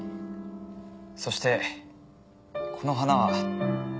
そしてこの花は